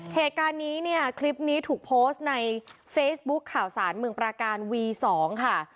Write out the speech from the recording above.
เหตุการณ์นี้เนี่ยคลิปนี้ถูกโพสต์ในเฟซบุ๊คข่าวสารเมืองประการวี๒ค่ะ